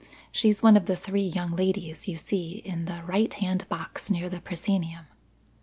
She's one of the three young ladies you see in the right hand box near the proscenium."